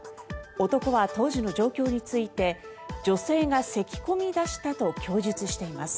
男は当時の状況について女性がせき込み出したと供述しています。